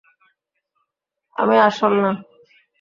আমি আসল না।